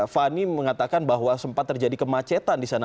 fani mengatakan bahwa sempat terjadi kemacetan di sana